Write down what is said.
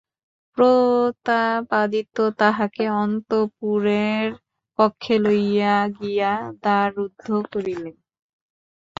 প্রতাপাদিত্য তাঁহাকে অন্তঃপুরের কক্ষে লইয়া গিয়া দ্বার রুদ্ধ করিলেন।